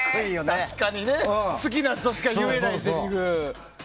好きな人しか、言えないせりふ。